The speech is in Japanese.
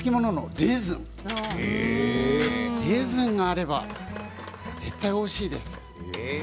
レーズンがあれば絶対においしいです。